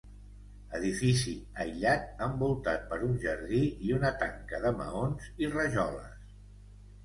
Edifici aïllat envoltat per un jardí i una tanca de maons i rajoles.